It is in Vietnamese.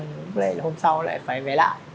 có lẽ là hôm sau lại phải vẽ lại